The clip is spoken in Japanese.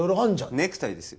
ネクタイですよ